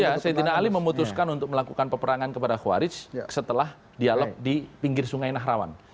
ya saidina ali memutuskan untuk melakukan peperangan kepada khua rich setelah dialog di pinggir sungai nahrawan